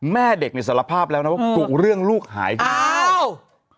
แม่เด็กเนี่ยสารภาพแล้วนะว่ากุเรื่องลูกหายไปอ้าว